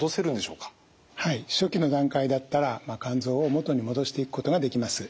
はい初期の段階だったら肝臓を元に戻していくことができます。